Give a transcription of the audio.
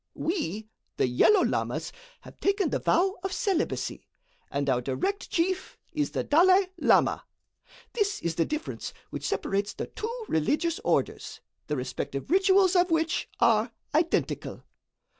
We, the yellow lamas, have taken the vow of celibacy, and our direct chief is the Dalai Lama. This is the difference which separates the two religious orders, the respective rituals of which are identical."